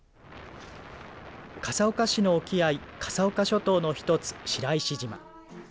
笠岡市の沖合、笠岡諸島の１つ、白石島。